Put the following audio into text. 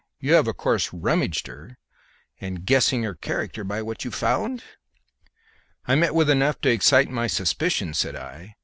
You have of course rummaged her, and guessed her character by what you found?" "I met with enough to excite my suspicion," said I.